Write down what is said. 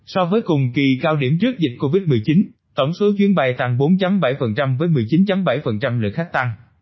so với cùng kỳ cao điểm trước dịch covid một mươi chín tổng số chuyến bay tăng bốn bảy với một mươi chín bảy lượng khách tăng